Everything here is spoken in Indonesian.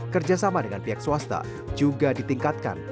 kerjasama dengan pihak swasta juga ditingkatkan